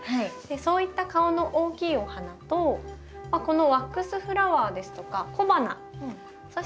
そういった顔の大きいお花とこのワックスフラワーですとか小花そして線がきれいなお花。